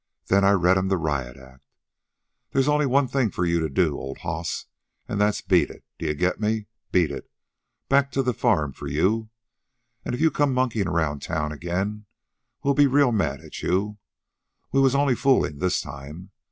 Then I read'm the riot act 'They's only one thing for you to do, old hoss, an' that's beat it. D'ye get me? Beat it. Back to the farm for YOU. An' if you come monkeyin' around town again, we'll be real mad at you. We was only foolin' this time.